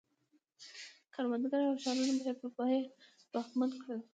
کروندګر او ښارونه یې په بیه ځواکمن کړل.